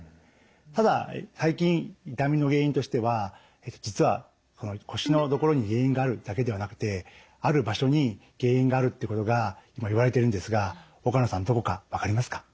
ただ最近痛みの原因としては実は腰の所に原因があるだけではなくてある場所に原因があるってことが今言われてるんですが岡野さんどこか分かりますか？